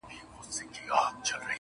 په توره شپه به په لاسونو کي ډېوې و باسو,